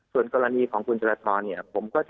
ส่วนกรณีของคุณจรฐผมก็จะหาลือกระทับสังคมไปด้วย